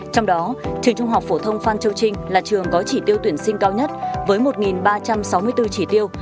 trong đó trường trung học phổ thông phan châu trinh là trường có chỉ tiêu tuyển sinh cao nhất với một ba trăm sáu mươi bốn chỉ tiêu